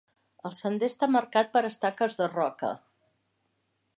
El sender està marcat per estaques de roca.